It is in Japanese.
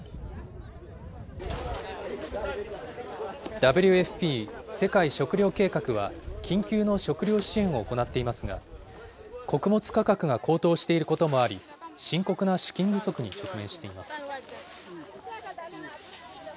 ＷＦＰ・世界食糧計画は、緊急の食料支援を行っていますが、穀物価格が高騰していることもあり、深刻な資金不足に直面しています。